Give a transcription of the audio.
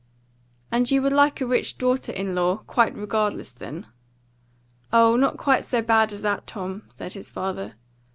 "And you would like a rich daughter in law, quite regardless, then?" "Oh, not quite so bad as that, Tom," said his father.